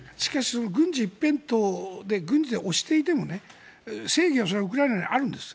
軍事一辺倒で軍事で押していても正義はそれはウクライナにあるんです。